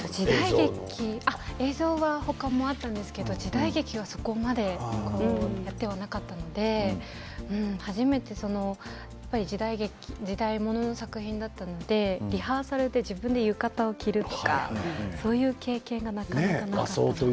映像は他であったんですけど、時代劇はそこまでやってなかったので時代物の作品は初めてだったのでリハーサルで自分で浴衣を着るとかそういう経験がなかなかなかったです。